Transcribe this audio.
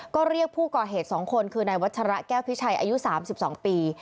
ก็เรียกผู้ก่อเหตุ๒คนคือนายวัชระแก้วพิชัยอายุ๓๒ปี